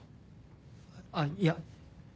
あっいや